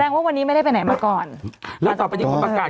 ว่าวันนี้ไม่ได้ไปไหนมาก่อนแล้วต่อไปนี้ผมประกาศ